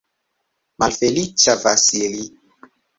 Malfeliĉa Vasili!